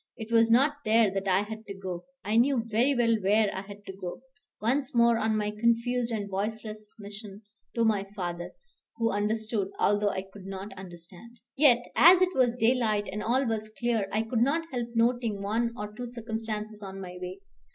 It was not there that I had to go. I knew very well where I had to go, once more on my confused and voiceless mission to my father, who understood, although I could not understand. Yet as it was daylight, and all was clear, I could not help noting one or two circumstances on my way.